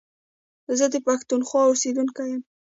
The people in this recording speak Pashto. زه د پښتونخوا اوسېدونکی يم